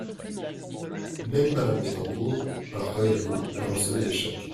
Même Madame Bettencourt, alors qu’avec vous, elle recevait des chèques